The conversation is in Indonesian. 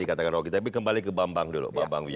dikatakan roky tapi kembali ke bambang dulu